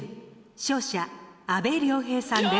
勝者阿部亮平さんです。